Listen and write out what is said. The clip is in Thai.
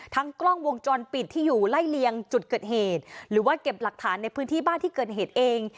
กล้องวงจรปิดที่อยู่ไล่เลียงจุดเกิดเหตุหรือว่าเก็บหลักฐานในพื้นที่บ้านที่เกิดเหตุเอง